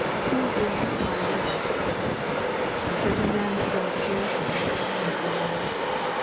Who is my neighbor? A certain man went down to Jericho, and so on.